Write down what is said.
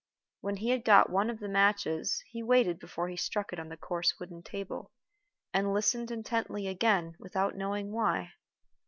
When he had got one of the matches he waited before he struck it on the coarse wooden table, and listened intently again without knowing why.